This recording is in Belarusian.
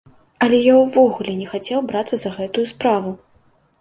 Але я ўвогуле не хацеў брацца за гэтую справу!